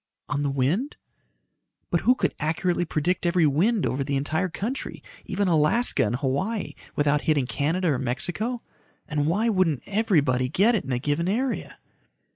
"On the wind?" "But who could accurately predict every wind over the entire country even Alaska and Hawaii without hitting Canada or Mexico? And why wouldn't everybody get it in a given area?"